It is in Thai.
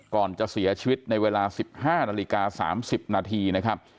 ก่อนจะเสียชีวิตในเวลา๑๕นาฬิกา๓๐นาทีนะครับ